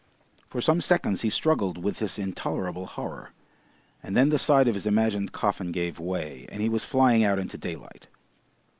For some seconds he struggled with this intolerable horror, and then the side of his imagined coffin gave way, and he was flying out into daylight.